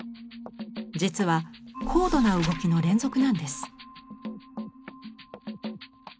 実は高度な動きの連続なんです。